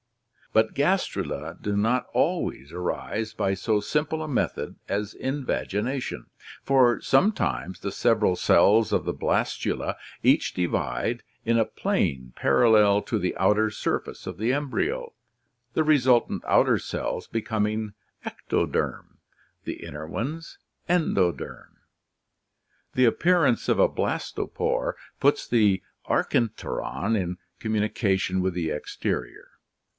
But gastrula do not always arise byso simple a method as invagi nation, for sometimes the several cells of the blastula each divide in a plane parallel to the outer surface of the embryo, the resultant outer cells becoming ectoderm, the inner ones endoderm. The appearance of a blastopore puts the archenteron in communication with the exterior.